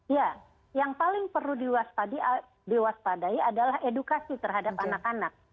ya yang paling perlu diwaspadai adalah edukasi terhadap anak anak